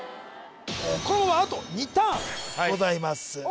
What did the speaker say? このあと２ターンございます